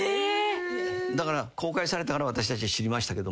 だから公開されたから私たち知りましたけども。